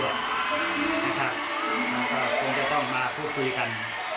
ก็คงจะต้องมาพูดคุยกัน